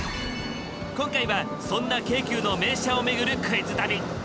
今回はそんな京急の名車を巡るクイズ旅。